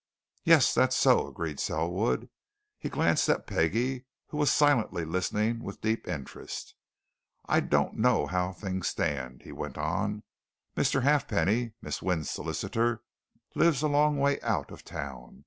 "Yes, that's so," agreed Selwood. He glanced at Peggie, who was silently listening with deep interest. "I don't know how things stand," he went on. "Mr. Halfpenny, Miss Wynne's solicitor, lives a long way out of town.